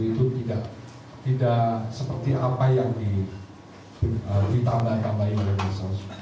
itu tidak seperti apa yang ditambah tambahin oleh medsos